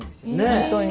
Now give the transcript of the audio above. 本当に。